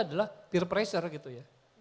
adalah peer pressure gitu ya